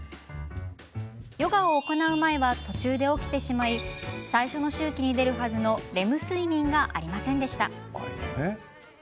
ヨガを行う前は途中で起きてしまい最初の周期に出るはずのレム睡眠がありませんでした。